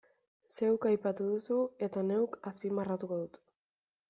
Zeuk aipatu duzu eta neuk azpimarratuko dut.